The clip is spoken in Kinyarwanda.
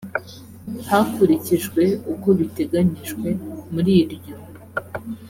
hakurikijwe uko biteganyijwe muri iryo